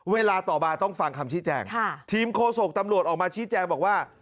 เวลาต่อมาต้องฟังคำชี้แจงทีมโฆษกตำรวจออกมาชี้แจงบอกว่า